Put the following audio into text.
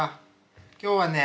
今日はね